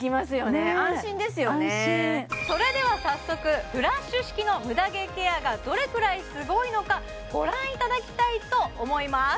ねね安心それでは早速フラッシュ式のムダ毛ケアがどれくらいすごいのかご覧いただきたいと思います